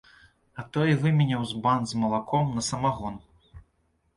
А той выменяў збан з малаком на самагон.